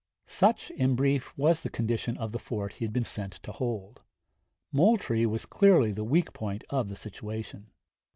Such, in brief, was the condition of the fort he had been sent to hold. Moultrie was clearly the weak point of the situation.